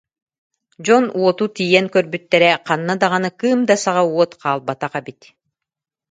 Дьон уоту тиийэн көрбүттэрэ, ханна даҕаны кыым да саҕа уот хаалбатах эбит